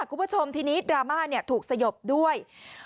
คุณผู้ชมทีนี้ดราม่าถูกสยบด้วย